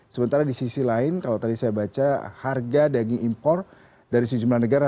sementara di sisi lain kalau tadi saya baca harga daging impor dari sejumlah negara